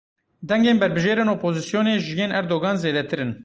Dengên berbijêrên opozîsyonê ji yên Erdogan zêdetir in.